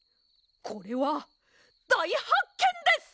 これはだいはっけんです！